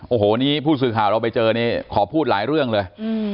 โอ้โหนี่ผู้สื่อข่าวเราไปเจอนี่ขอพูดหลายเรื่องเลย